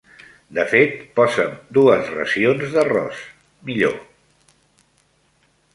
De fet, posa'm dues racions d'arròs, millor.